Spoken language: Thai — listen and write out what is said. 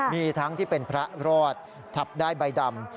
มีทั้งที่เป็นพระรอดขับได้ใบดำ